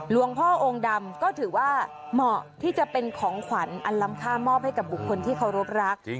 หลวงพ่อองค์ดำก็ถือว่าเหมาะที่จะเป็นของขวัญอันล้ำค่ามอบให้กับบุคคลที่เคารพรัก